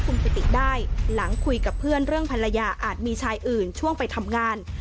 คุณกิติได้หลังคุยกับเพื่อนเรื่องภรรยาอาจมีชายอื่นช่วงไปทำงาน